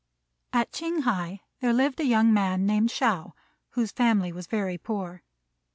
At Ching hai there lived a young man, named Shao, whose family was very poor.